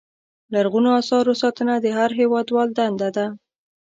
لرغونو اثارو ساتنه د هر هېوادوال دنده ده.